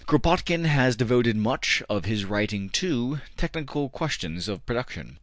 Kropotkin has devoted much of his writing to technical questions of production.